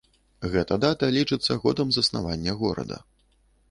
Гэта дата лічыцца годам заснавання горада.